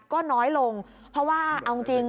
ก็น้อยลงเพราะว่าเอาจริง